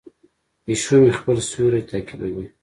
پیشو مې خپل سیوری تعقیبوي.